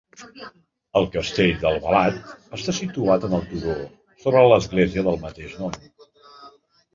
El castell d'Albalat, està situat en el turó sobre l'església del mateix nom.